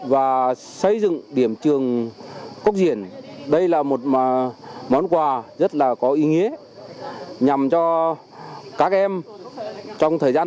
và xây dựng điểm trường cốc diển đây là một món quà rất là có ý nghĩa nhằm cho các em trong thời gian